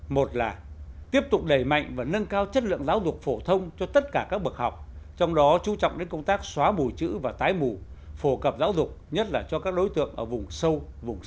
một là tiếp tục đẩy mạnh và nâng cao chất lượng giáo dục phổ thông cho tất cả các bậc học trong đó chú trọng đến công tác xóa mù chữ và tái mù phổ cập giáo dục nhất là cho các đối tượng ở vùng sâu vùng xa